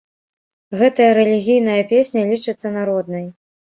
Гэтая рэлігійная песня лічыцца народнай.